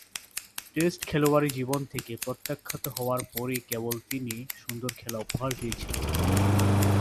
Test খেলোয়াড়ী জীবন থেকে প্রত্যাখ্যাত হবার পরই কেবল তিনি সুন্দর খেলা উপহার দিয়েছিলেন।